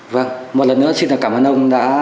vâng một lần nữa xin cảm ơn ông đã